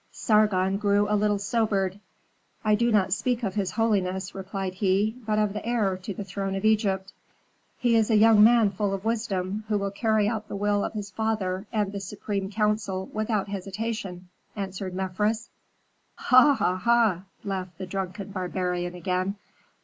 Sargon grew a little sobered. "I do not speak of his holiness," replied he, "but of the heir to the throne of Egypt." "He is a young man full of wisdom, who will carry out the will of his father and the supreme council without hesitation," answered Mefres. "Ha! ha! ha!" laughed the drunken barbarian again.